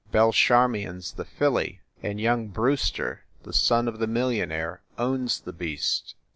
Bel charmion s the filly, and young Brewster, the son of the millionaire, owns the beast."